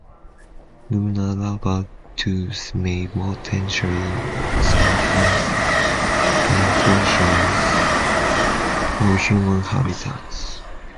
Lunar lava tubes may potentially serve as enclosures for human habitats.